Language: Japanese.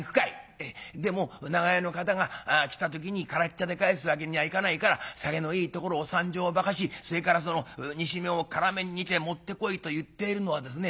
「ええでも『長屋の方が来た時に空茶で帰すわけにはいかないから酒のいいところを３升ばかしそれからその煮しめを辛めに煮て持ってこい』と言っているのはですね